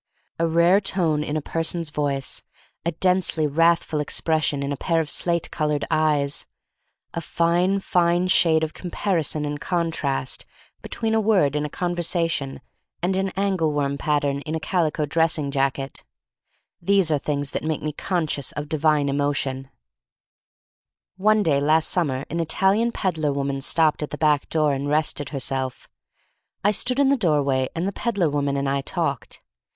A rare tone in a person's voice, a densely wrathful expression in a pair of slate colored eyes, a fine, fine shade of comparison and contrast between a word in a conversation and an angle worm pattern in a calico dressing jacket — these are things that make me conscious of divine emotion. n 304 THE STORY OF MARY MAC LANE One day last summer an Italian ped dler woman stopped at the back door and rested herself. I stood in the doorway, and the peddler woman and I talked.